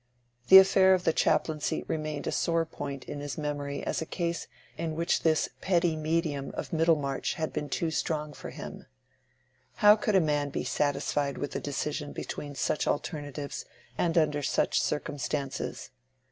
The affair of the chaplaincy remained a sore point in his memory as a case in which this petty medium of Middlemarch had been too strong for him. How could a man be satisfied with a decision between such alternatives and under such circumstances?